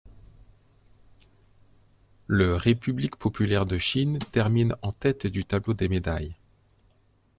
Le République populaire de Chine termine en tête du tableau des médailles.